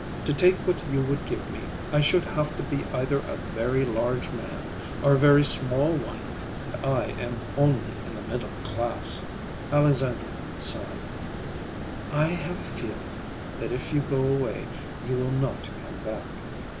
To take what you would give me, I should have to be either a very large man or a very small one, and I am only in the middle class." Alexandra sighed. "I have a feeling that if you go away, you will not come back.